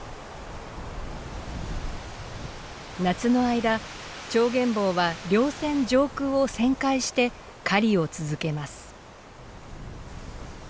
夏の間チョウゲンボウは稜線上空を旋回して狩りを続けます。